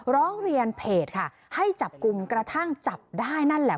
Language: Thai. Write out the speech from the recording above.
ร้องเรียนเพจค่ะให้จับกลุ่มกระทั่งจับได้นั่นแหละ